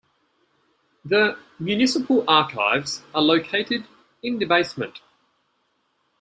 The municipal archives are located in the basement.